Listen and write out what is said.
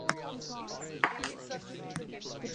The systematics of this complex is yet to be clarified.